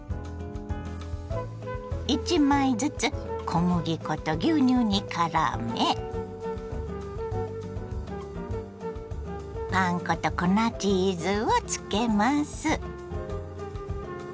１枚ずつ小麦粉と牛乳にからめパン粉と粉チーズをつけます。